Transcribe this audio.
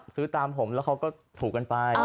ซื้อตามผมแล้วเขาก็ถูกกันไป